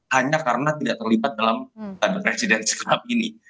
hanya karena tidak terlibat dalam pada presidensial club ini